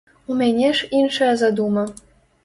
У мяне ж іншая задума.